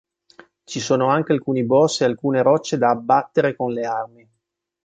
Ci sono anche alcuni boss e alcune rocce da abbattere con le armi.